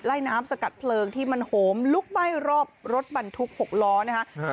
ไล่น้ำสกัดเพลิงที่มันโหมลุกใบ้รอบรถบรรทุกหกล้อนะฮะอือ